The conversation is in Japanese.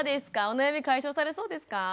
お悩み解消されそうですか？